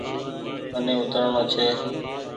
مني اوترڻو ڇي۔